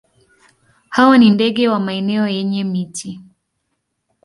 Hawa ni ndege wa maeneo yenye miti.